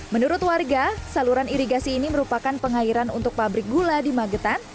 menurut warga saluran irigasi ini merupakan pengairan untuk pabrik gula di magetan